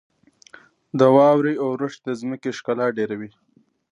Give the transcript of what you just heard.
• د واورې اورښت د ځمکې ښکلا ډېروي.